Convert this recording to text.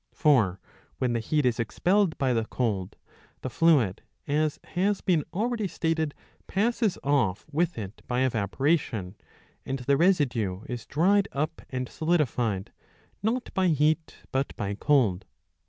For when the heat is expelled by the cold, the fluid, as has been already stated, passes off with it by evaporation, and the residue is dried up and solidified, not by heat but by cold.'"